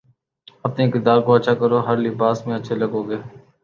اپنے کردار کو اچھا کرو ہر لباس میں اچھے لگو گے